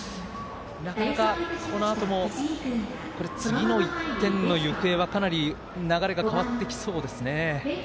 なかなかこのあとも次の１点の行方はかなり流れが変わってきそうですね。